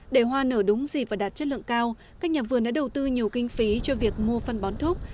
để hoa nở đúng dịp và đạt chất lượng cao các nhà vườn đã đầu tư nhiều kinh phí cho việc mua phân bón thuốc